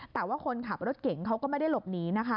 แต่ว่าคนขับรถเก่งเขาก็ไม่ได้หลบหนีนะคะ